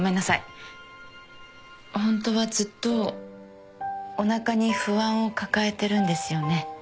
ホントはずっとおなかに不安を抱えてるんですよね？